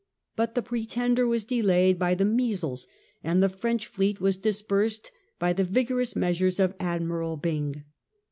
But the Pretender was delayed by the measles, and the French fleet was dispersed by the vigorous measures of Admiral Byng.